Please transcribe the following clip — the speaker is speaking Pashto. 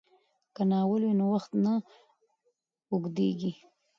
که ناول وي نو وخت نه اوږدیږي.